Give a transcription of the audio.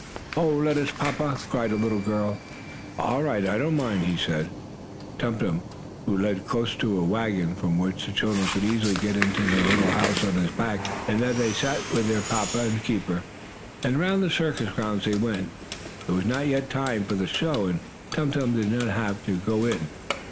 "Oh, let us, papa!" cried a little girl. "All right, I don't mind," he said. Tum Tum was led close to a wagon, from which the children could easily get into the little house on his back. In that they sat with their papa and the keeper, and around the circus grounds they went. It was not yet time for the show, and Tum Tum did not have to go in.